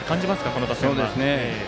この打線は。